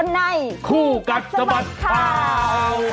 คู่กัดสะบัดข่าว